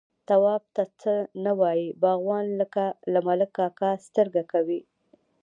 _تواب ته څه نه وايي، باغوان، له ملک کاکا سترګه کوي.